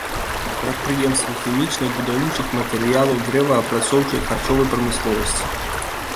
Прадпрыемствы хімічнай, будаўнічых матэрыялаў, дрэваапрацоўчай, харчовай прамысловасці.